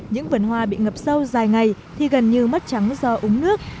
những vườn hoa bị ngập sâu dài ngày thì gần như mất trắng do uống nước